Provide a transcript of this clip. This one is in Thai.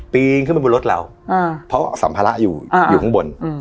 ปีนขึ้นไปบนรถเราเพราะสัมภาระอยู่อยู่ข้างบน